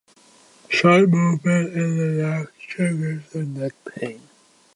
Sharp movement in the neck triggers the neck pain.